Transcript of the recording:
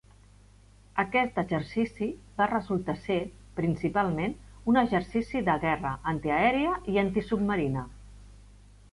Aquest exercici va resultar ser, principalment, un exercici de guerra antiaèria i antisubmarina.